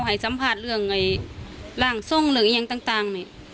ให้สัมภาษณ์เรื่องแหล่งทรงเรื่องกับการยังต่าง